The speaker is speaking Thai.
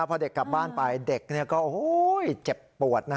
พอเด็กกลับบ้านไปเด็กก็เจ็บปวด